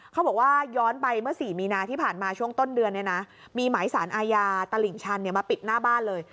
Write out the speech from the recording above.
เขาบอกว่าย้อนไปเมื่อ๔มีนาที่ผ่านมาช่วงต้นเดือนเนี่ยนะมีหมายสารอาญาตลิ่งชันมาปิดหน้าบ้านเลย